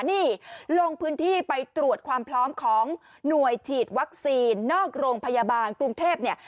นี่ลงพื้นที่ไปตรวจความพร้อมของหน่วยฉีดวัคซีนนอกโรงพยาบาลกรุงเทพเนี่ย